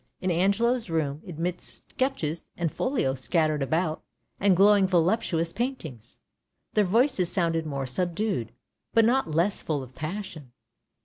In Angelo's room amidst sketches and folios scattered about, and glowing voluptuous paintings, their voices sounded more subdued, but not less full of passion.